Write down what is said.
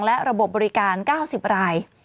และระบบบบริการ๙๐ราย